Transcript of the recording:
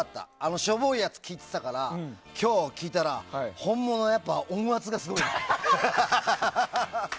しょぼいやつを聴いてたから今日聴いたら本物は音圧がやっぱりすごいね。